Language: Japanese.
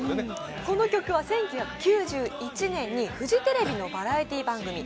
この曲は１９９１年にフジテレビのバラエティー番組